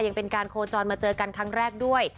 ยังเป็นการโคจรมาเจอกันครั้งแรกด้วย